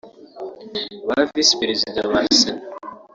ba Visi Perezida ba Sena